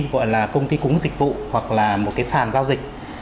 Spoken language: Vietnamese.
gọi là công ty cúng dịch vụ hoặc là một cái sàn giao dịch